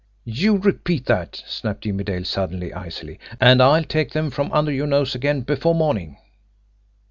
You repeat that," snapped Jimmie Dale suddenly, icily, "and I'll take them from under your nose again before morning!